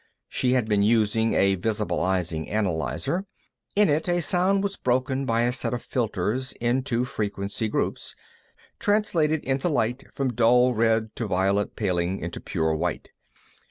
She had been using a visibilizing analyzer; in it, a sound was broken by a set of filters into frequency groups, translated into light from dull red to violet paling into pure white.